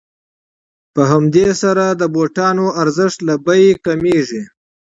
په همدې سره د بوټانو ارزښت له بیې کمېږي